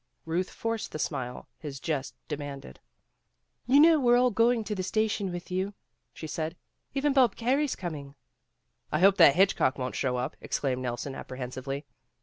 Ruth forced the smile his jest demanded. "You know we're all going to the station with you," she said. "Even Bob Carey's coming." "I hope that Hitchcock won't show up," ex claimed Nelson apprehensively.